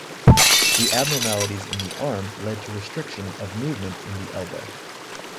The abnormalities in the arm lead to restriction of movement in the elbow.